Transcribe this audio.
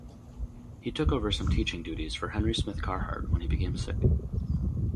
He took over some teaching duties for Henry Smith Carhart when he became sick.